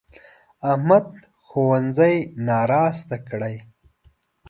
احمد ښوونځی ناراسته کړی.